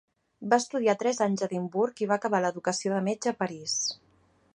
Va estudiar tres anys a Edimburg i va acabar l'educació de metge a París.